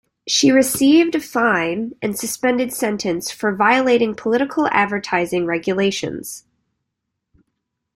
She received a fine and suspended sentence for violating political advertising regulations.